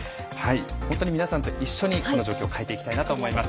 本当に皆さんと一緒に今の状況を変えていきたいと思います。